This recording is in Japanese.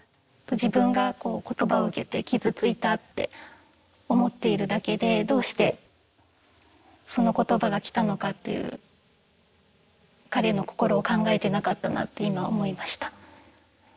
自分がこう言葉を受けて傷ついたって思っているだけでどうしてその言葉がきたのかっていう彼の心を考えてなかったなって今思いました。